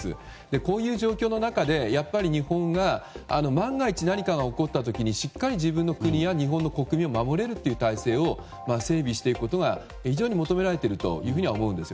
こういう状況の中でやっぱり日本に万が一、何かが起こった時にしっかり自分の国や日本の国民を守れる体制を整備していくことが非常に求められていると思うんです。